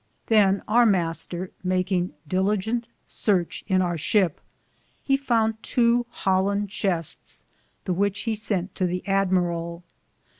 Than our Mr., makinge deligente seartche in our ship, he found tow holland chestis, the which he sente to the amberall.